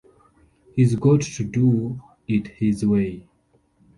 He's got to do it his way.